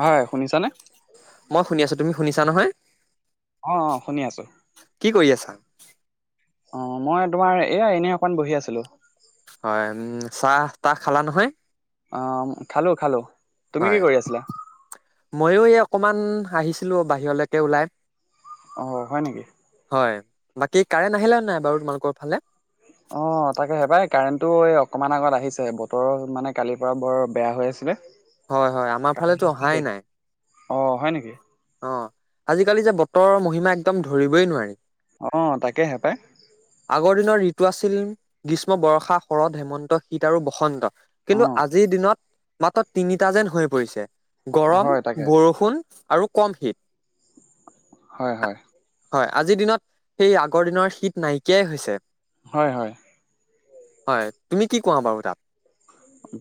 হয় শুনিছানে? মই শুনি আছো তুমি শুনিছা নহয়? অ -অ শুনি আছো কি কৰি আছা? অ 'মই তোমাৰ এয়া এনে অকমান বহি আছিলো হয় উ চাহ চাহ খালা নহয়? অ খালো খালো। তুমি কি হয় কৰি আছিলা? ময়ো এই অকমান আহিছিলো বাহিৰলৈকে ওলাই। অ' হয় নেকি হয় বাকী কাৰেণ্ট আহিলে নাই বাৰু তোমালোকৰ ফালে। হয়। অ' তাকে হেপাই কাৰেণ্টটো এই অকমান আগত আহিছে বতৰ মানে কালিৰ পৰা বৰ বেয়া হৈ আছিলে। হয় -হয় আমাৰ ফালেেতো অহাই নাই। অ' হয় নেকি অ' আজিকালি যে বতৰৰ মহিমা একদম ধৰিবই নোৱাৰি অ ' তাকেহে পাই টো আছিল গ্ৰীষ্ম বৰ্ষা শৰৎ হেমন্ত শীত আৰু বসন্ত অ কিন্তু আজিৰ দিনত। মাত্ৰ তিনিটা যেন হৈ পৰিছে গৰম হয় তাকে বৰষুণ আৰু কম শীত। হয় হয় হয় আজিৰ দিনত সেই আগৰ দিনৰ শীত নাইকিয়াই হৈছে হয় হয়। হয় তুমি কি কোৱা বাৰু তাত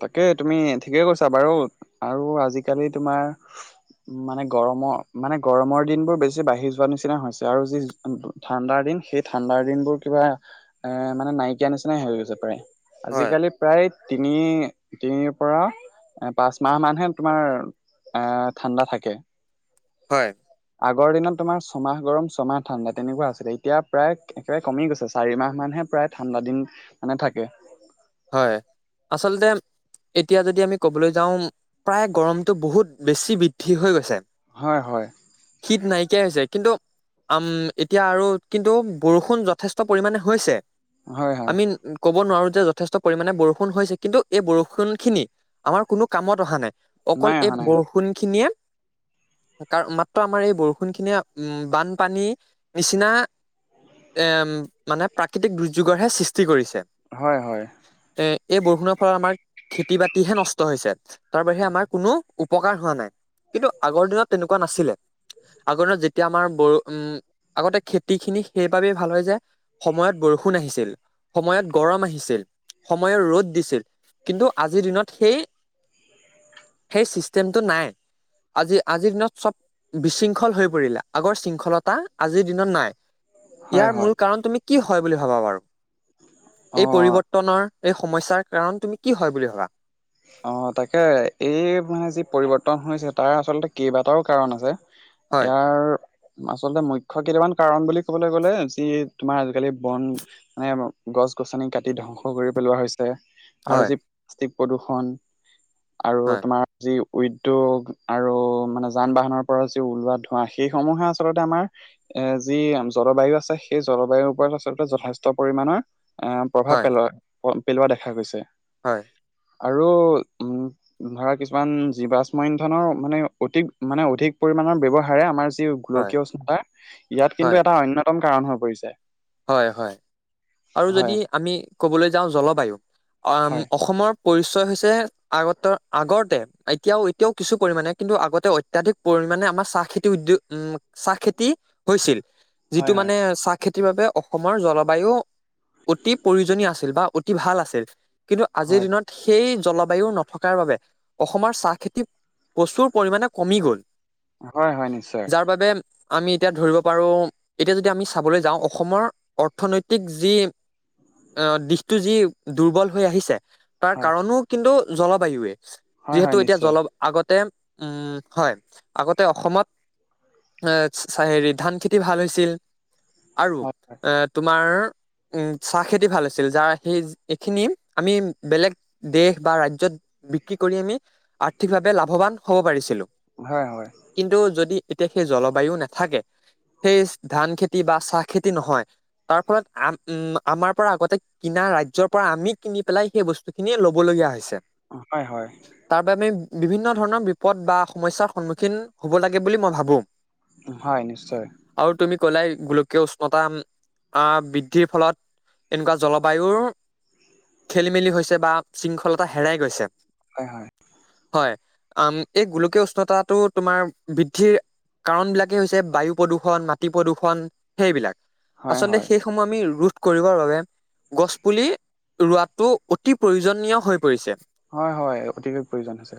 তাকে তুমি ঠিকেই কৈছা বাৰু আৰু আজিকালি তোমাৰ মানে গৰমৰ মানে গৰমৰ দিন বোৰ বেছি বাঢ়ি যোৱা নিচিনা হৈছে আৰু যি ঠাণ্ডাৰ দিন। সেই ঠাণ্ডাৰ দিন বোৰ কিবা এ মানে নাইকিয়া নিচিনাই হৈ গৈছে পাৰে। হয় আজিকালি প্ৰায় তিনি তিনিৰ পৰা। এ পাচ মাহ মানহে তোমাৰ এ ঠাণ্ডা থাকে। হয়। আগৰ দিনত তোমাৰ ছমাহ গৰম ছমাহ ঠাণ্ডা তেনেকুৱা আছিলে এতিয়া প্ৰায় একেবাৰে কমি গৈছে চাৰি মাহ মানহে। প্ৰায় ঠাণ্ডা দিন মানে থাকে। হয় আচলতে। এতিয়া যদি আমি কবলৈ যাওঁ প্ৰায় গৰমতটো বহুত বেছি বৃদ্ধি হৈ গৈছে হয় হয় শীত নাইকিয়া হৈছে কিন্তু আম এতিয়া আৰু কিন্তু বৰষুণ যথেষ্ট পৰিমামানে হৈছে। হয় হয় আমি ক'ব নোৱাৰো যে যথেষ্ট পৰিমাণে বৰষুণ হৈছে কিন্তু এই বৰষুণখিনি আমাৰ কোনো কামত অহা নাই অকল নাই এই অহা নাই বৰষুণ খিনিয়ে [unintelligible] কাৰ মাত্ৰ আমাৰ এই বৰষুণ খিনিয়ে উম বানপানীৰ নিচিনা এম মানে প্ৰাকৃতিক দুৰ্যোগৰ হে সৃষ্টি কৰিছে। হয় হয়। এ এই বৰষুণৰ ফলত আমাৰ খেতি বাতিহে নষ্ট হৈছে তাৰ বাহিৰে আমাৰ কোনো উপ। পকাৰ হোৱা নাই কিন্তু আগৰ দিনত তেনেকুৱা নাছিলে আগৰ দিনত যেতিয়া আমাৰ বৰ উম। আগতে খেতিখিনি সেইবাবেই ভাল হয় যে সময়ত বৰষুণ আহিছিল সময়ত গৰম আহিছিল। সময়ৰ ৰ'দ দিছিল কিন্তু আজিৰ দিনত সেই। সেই চিষ্টেমটো নাই। আজি আজিৰ দিনত চব বিশৃংখল হৈ পৰিলে আগৰ শৃংখলতা আজিৰ দিনত নাই। হয় ইয়াৰ হয় মূল কাৰণ তুমি কি হয় বুলি ভাবা বাৰু। অ। এই পৰিৱৰ্তনৰ এই সমস্যাৰ কাৰণ তুমি কি হয় বুলি ভাবা। অ তাকে এই মানে যি পৰিৱৰ্তন হৈছে তাৰ আচলতে কেইবাটাও কাৰণ আছে। হয় ইয়াৰ। আচলতে মুখ্য কেইটামান কাৰন বুলি কবলৈ গলে যি তোমাৰ আজিকালি বন মানে। গছ-গছনি কাটি ধ্বংস কৰি পেলোৱা হৈছে। আৰু হয় যি প্লাষ্টিক প্ৰদূষণ আৰু হয় তোমাৰ যি। উদ্যোগ আৰু মানে যান-বাহনৰ পৰা যি ওলোৱা ধোঁৱা সেইসমূহে আচলতে আমাৰ। এ যি জলবায়ু আছে সেই জলবায়ুৰ ওপৰত আচলতে যথেষ্ট পৰিমাণৰ। প্ৰভাৱ হয়, পেলোৱা পেলোৱা দেখা গৈছে। হয়। আৰু উম ধৰা কিছুমান জীৱাষ্ম ইন্ধনৰ মানে অধিক মানে অধিক পৰি। পৰিমানৰ ব্যৱহাৰে আমাৰ যি হয়, গোলকীয় উষ্ণতাৰ ইয়াত হয়, কিন্তু এটা অন্যতম কাৰণ হৈ পৰিছে। হয় হয় আৰু যদি হয় আমি ক'বলৈ যাওঁ জলবায়ু উম হয় অসমৰ। পৰিচয় হৈছে আগত আগতে এতিয়াও এতিয়াও কিছু পৰিমাণে কিন্তু আগতে অত্যাধিক পৰি। পৰিমানে আমাৰ চাহ খেতি উদোগ উ চাহ খেতি হৈছিল যিটো হয় হয় মানে চাহ খেতিৰ বাবে। অসমৰ জলবায়ু অতি প্ৰয়োজনীয় আছিল বা অতি ভাল আছিল। কিন্তু আজিৰ হয় দিনত সেই। জলবায়ু নথকাৰ বাবে অসমৰ চাহ খেতি প্ৰচুৰ পৰিমানে কমি গ'ল। হয় হয় নিশ্চয়। যাৰ বাবে আমি এতিয়া ধৰিব পাৰোঁ এতিয়া যদি আমি চাবলৈ যাওঁ অসমৰ। অৰ্থনৈতিক যি অহ দিশটো যি দুৰ্বল হৈ আহিছে। তাৰ হয় কাৰণো কিন্তু জলবায়ুৱে হয় হয় যিহেতু এতিয়া নিশ্চয় জল আগতে। উম হয় আগতে অসমত। এ হেৰি ধান খেতি ভাল হৈছিল আৰু। হয় এ তোমাৰ। উম চাহ খেতি ভাল হৈছিল যাৰ সেই এইখিনি আমি বেলেগ দেশ বা ৰাজ্যত। বিক্ৰী কৰি আমি আৰ্থিকভাৱে লাভৱান হ'ব পাৰিছিলো। হয় হয়। কিন্তু যদি এতিয়া সেই জলবায়ু নাথাকে সেই ধান খেতি বা চাহ খেতি নহয়। তাৰ ফলত আম উম আমাৰ পৰা আগতে কিনা ৰাজ্য পৰা আমি কিনি পেলাই সেই বস্তু খিনিয়ে লৈ। ল'বলগীয়া হৈছে। হয় হয় তাৰ বাবে বিভিন্ন ধৰণৰ বিপদ বা সমস্যাৰ সন্মুখীন হব লাগে বুলি মই ভাবোঁ। হয় নিশ্চয়। কলে গোলকীয় উষ্ণতা। অহ বৃদ্ধিৰ ফলত এনেকুৱা জলবায়ুৰ। খেলি-মেলি হৈছে বা শৃংখলতা হেৰাই গৈছে। হয় হয়। হয় আম এই গোলকীয় উষ্ণতাটো তোমাৰ বৃদ্ধিৰ। কাৰণ বিলাকেই হৈছে বায়ু প্ৰদূৰ্ষণ মাটি প্ৰদূৰ্ষন সেইবিলাক। হয় আচলতে হয় সেইসমূহ আমি ৰুথ কৰিবৰ বাবে গছপুলি ৰোৱাটো অতি প্ৰয়োজনীয় হৈ পৰিছে। হয় হয় অতিকৈ প্ৰয়োজন হৈছে।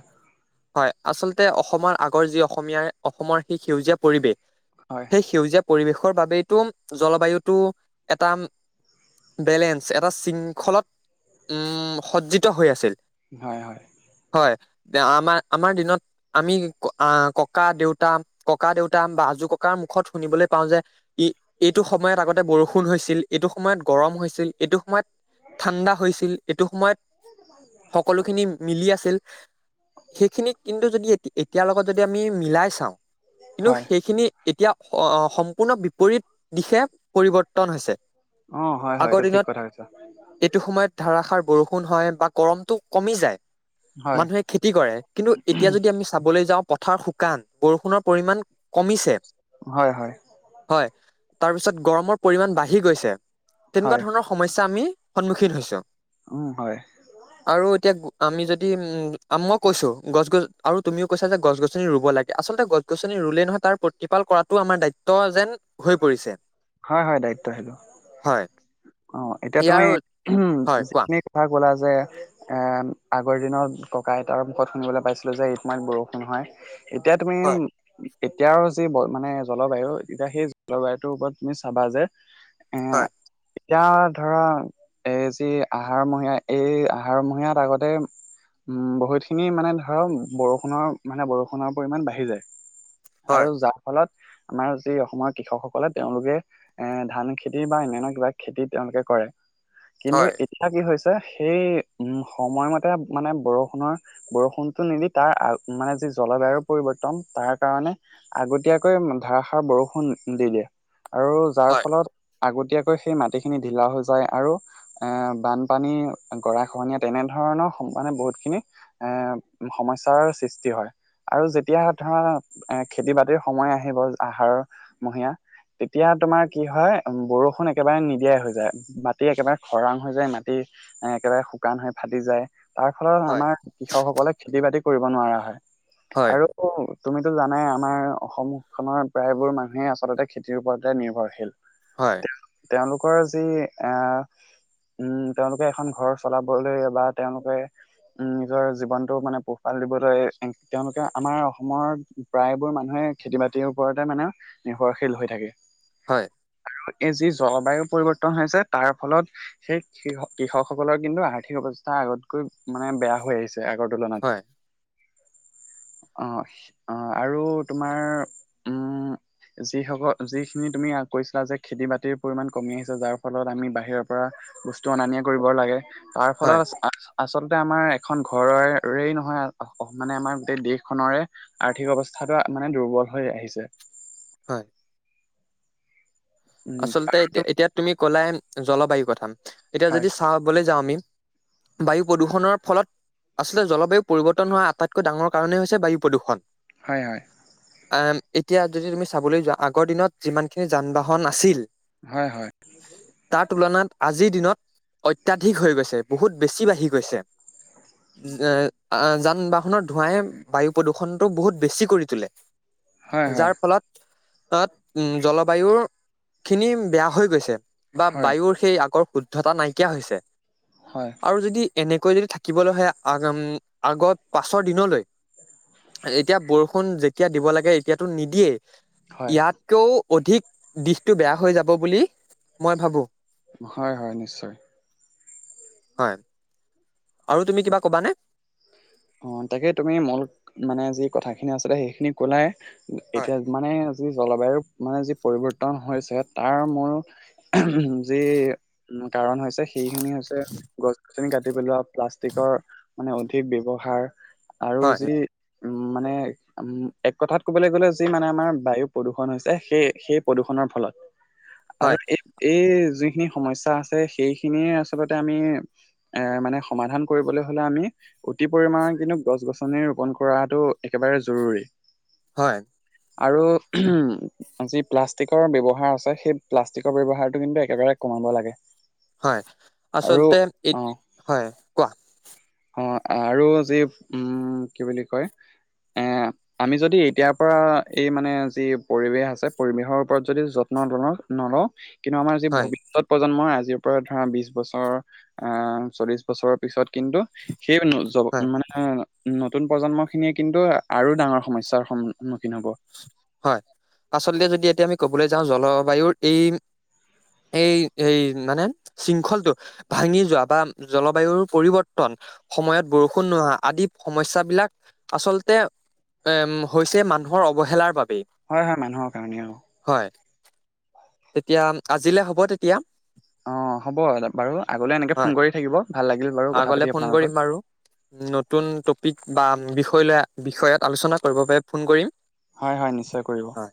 হয়। আচলতে অসমৰ আগৰ যি অসমীয়াই অসমৰ সি সেউজীয়া পৰিৱেশ হয় সেই সেউজীয়া পৰিৱেশৰ বাবেইতো জলবায়ুতটো এটা বেলেঞ্চ এটা শৃংখলত উম সজ্জিত হৈ আছিল। হয় হয়। হয় আমাৰ আমাৰ দিনত আমি ককা দেউতা ককা দেউতা বা আজো ককাৰ মুখত শুনিবলৈ পাওঁ যে ই এইটো সময়ত আগতে বৰষুণ হৈছিল এইটো সময়ত গৰম হৈছিল এইটো সময়ত ঠাণ্ডা হৈছিল এইটো সময়ত সকলোখিনি মিলি আছিল সেইখিনি কিন্তু যদি এতিয়া এতিয়াৰ লগত যদি আমি মিলাই চাওঁ, কিন্তু হয় সেইখিনি এতিয়া সম্পূৰ্ণ বিপৰীত দিশে পৰিৱৰ্তন হৈছে। অ হয় হয় আগৰ এইটো ঠিক দিনত কথা কৈছা এইটো সময়ত ধাৰাসাৰ বৰষুণ হয় বা গৰমটো কমি যায় হয় মানুহে খেতি কৰে, কিন্তু এতিয়া যদি আমি চাবলৈ যাওঁ পথাৰ শুকান বৰষুণৰ পৰিমণ কমিছে। হয় হয় হয়। তাৰ পিছত গৰমৰ পৰিমণ বাঢ়ি গৈছে। তেনেকুৱা হয় ধৰণৰ সমস্যা আমি সন্মুখীন হৈছো। উম হয় আৰু এতিয়া আমি যদি উম মই কৈছো গছ আৰু তুমিও কৈছা যে গছ গছনি ৰুব লাগে। আচলতে গছ গছনি ৰুলেই নহয় তাৰ প্ৰতিপাল কৰাতটো আমাৰ দায়িত্ব যেন হৈ পৰিছে। হয় হয় দায়িত্ব সেইটো। হয় অ এতিয়া ইয়াৰ তুমি উ হয় কোৱা যিখিনি কথা কলা যে আগৰ দিনৰত ককা আইতাৰ মুখত শুনিবলৈ পাইছিলোঁ যে ইটো ইমান বৰষুণ হয় এতিয়া তুমি হয় এতিয়াৰ যি মানে জলবায়ু এতিয়া সেই জলবায়ুটোৰ ওপৰত তুমি চাবা যে এ হয়। এতিয়া ধৰা এই যি আহাৰ মহীয়া এই আহাৰ মহীয়াত আগতে উম বহুতখিনি মানে ধৰ বৰষুণৰ মানে বৰষুণৰ পৰিমমান বাঢ়ি যায়। হয় আৰু যাৰ ফলত আমাৰ যি অসমৰ কৃষকসকলে তেওঁলোকে এ ধান খেতি বা অন্যান কিবাক খেতি তেওঁলোকে কৰে। কিন্তু হয় এতিয়া কি হৈছে সেই উম সময়মতে মানে বৰষুণৰ বৰষুণতটো নিমি তাৰ মানে জলবায়ু পৰিৱৰ্তন, তাৰ কাৰণে আগতীয়াকৈ ধাৰাসাৰ বৰষুণ দি দিয়ে। আৰু যাৰ হয় ফলত আগতীয়াকৈ সেই মাটিখিনি ঢিলা হৈ যায় আৰু এ বানপানী গৰাখহনীয়া তেনেধৰণ ধৰণৰ মানে বহুত খিনি এ সমস্যাৰ সৃষ্টি হয় আৰু যেতিয়া ধৰা এ খেতি বাতিৰ সময় আহিব, আহাৰৰ মহীয়া তেতিয়া তোমাৰ কি হয়, বৰষুণ একেবাৰে নিদিয়াই হৈ যায় মাটি একেবাৰে খৰাং হৈ যায় মাটি এ একেবাৰে শুকান হৈ ফাটি যায়। তাৰ ফলত হয় আমাৰ কৃষকসকলে খেতি বাতি কৰিব নোৱাৰা হয় হয় আৰু তুমিতো জানাই আমাৰ অসমখনৰ প্ৰায়বোৰ মানুহে আচলতে খেতিৰ ওপৰতে নিৰ্ভৰশীল। হয়। কয় যি এ [unintelligible] উম তেওঁলোকে এখন ঘৰ চলাবলৈ বা তেওঁলোকে উম নিজৰ জীৱনতটো মানে পোহপাল দিবলৈ তেওঁলোকে আমাৰ অসমৰ প্ৰায়বোৰ মানুহে খেতি বাতিৰ ওপৰতে মানে নিৰ্ভৰশীল হৈ থাকে। হয়। এই যি জলবায়ু পৰিৱৰ্তন হৈছে তাৰ ফলত সেই কৃষক সকলৰ কিন্তু আৰ্থিক অৱ স্থা আগতকৈ মানে বেয়া হৈ আহিছে আগৰ তুলনাত হয় অ' অ' আৰু তোমাৰ উম যিসকল যিখিনি তুমি কৈছিলা যে খেতি বাতিৰ পৰিমাণ কমি আহিছে যাৰ ফলত আমি বাহিৰৰ পৰা বস্তু অনা নিয়া কৰিব লাগে তাৰ হয় ফলত আচলতে আমাৰ এখন ঘৰৰেই নহয় মানে আমাৰ গোটেই দেশখনৰে আৰ্থিক অৱস্থা টো মানে দুৰ্বল হৈ আহিছে। হয়। উম, আচলতে আৰু এতিয়া এতিয়া তুমি কলাই জলবায়ুৰ কথা এতিয়া হয়, যদি চাব লৈ যাওঁ আমি বায়ু প্ৰদূষণৰ ফলত আচলতে জলবায়ু পৰিৱৰ্তন হোৱা আটাইতকৈ ডাঙৰ কাৰণেই হৈছে বায়ু প্ৰদূষণ। হয় হয়। আ এতিয়া যদি তুমি চাবলৈ যোৱা আগৰ দিনত যিমান খিনি যান বাহন আছিল হয়, হয়, তাৰ তুলনাত আজিৰ দিনত অত্যাধিক হৈ গৈছে, বহুত বেছি বাঢ়ি গৈছে। যে আহ যান বাহনৰ ধোঁৱাই বায়ু প্ৰদূষণটো বহুত বেছি কৰি তোলে। হয়, হয়, যাৰ ফলত অত উ জলবায়ুৰ খিনি বেয়া হৈ গৈছে বা হয়, বায়ুৰ সেই আগৰ শুদ্ধতা নাইকিয়া হৈছে। হয়। আৰু যদি এনেক কৈ যদি থাকিবলৈ হয়ে আ আগত পাছৰ দিনলৈ এতিয়া বৰষুণ যেতিয়া দিব লাগে এতিয়াতো নিদিয়েই। হয়, ইয়াতকেও অধিক দিশটো বেয়া হৈ যাব বুলি মই ভাবো। হয় হয় নিশ্চয়। হয়। আৰু তুমি কিবা কবানে? অঊ তাকে তুমি মূল মানে যি কথাখিনি আছিলে সেইখিনি কলাই। হয় এতিয়া মানে যি জলবায়ু মানে যি পৰিৱৰ্তন হৈছে তাৰ মোৰ যি কাৰণ হৈছে সেই সেইখিনি হৈছে গছ গছনি কাটি পেলোৱা, প্লাষ্টিকৰ মানে অধিক ব্যৱহাৰ আৰু হয় যি উম মানে এক কথাত ক'বলৈ গ'লে যি মানে আমাৰ বায়ু প্ৰদূষণ হৈছে সেই সেই প্ৰদূষণ ফলত, আৰু এই এই যিখিনি সমস্যা আছে সেইখিনিয়ে আচলতে আমি এ মানে সমাধান কৰিবলৈ হ'লে আমি অতি পৰিমাণে কিন্তু গছ গছনি ৰোপন কৰাটো একেবাৰে জৰুৰী। হয়। আৰু যি প্লাষ্টিকৰ ব্যৱহাৰ আছে সেই প্লাষ্টিকৰ ব্যৱহাৰটো কিন্তু একেবাৰে কম হব লাগে। হয় আৰু আচলতে এই অ হয় কোৱা অ আৰু যি, উম কি বুলি কয় এ আমি যদি এতিয়াৰ পৰা এই মানে যি পৰিৱেশ আছে পৰিৱেশৰ ওপৰত যদি যত ল নলও কিন্তু আমাৰ যি হয় ভৱিষয়ত প্ৰজন্মই আজ আজিৰ পৰা ধৰা বিশ বছৰ, আহ চল্লিশ বছৰৰ পিছত কিন্তু সেই জ হয় মানে অ' নতুন নতুন প্ৰজন্ম খিনিয়ে কিন্তু আৰু ডাঙৰ সমস্যাৰ সন্মুখীন হ'ব। হয় আচলতে যদি এতিয়া আমি কবলৈ যাওঁ, জলবায়ুৰ এইম এই এই মানে শৃংখলটো ভাঙি যোৱা বা জলবায়ুৰ পৰিৱৰ্তন সময়ত বৰষুণ নোহোৱা, আদি সমস্যবিলাক আচলতে এম হৈছে মানুহৰ অৱহেলাৰ বাবে। হয় হয় মানুহৰ কাৰণেই আৰু। তেতিয়া, আজিলে হ'ব তেতিয়া। অ' হ'ব বাৰু, আগলৈ এনেকে হয় ফোন কৰি থাকিব। ভাল লাগিল বাৰু কথা আগলে পাতি ফোন আপোনাৰ লগত। কৰিম বাৰু নতুন টপিক বা বিষয় ল বিষয়ত আলোচনা কৰিব বাবে ফোন কৰিম। হয়-হয়, নিশ্চয় কৰিব। হয়